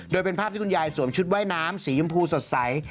โดยเป็นภาพที่คุณยายสวมชุดว่ายน้ำสีชมพูสดใส